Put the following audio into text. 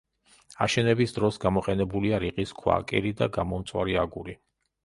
აშენების დროს გამოყენებულია რიყის ქვა, კირი და გამომწვარი აგური.